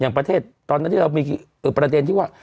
ประเทศตอนนั้นที่เรามีประเด็นที่ว่า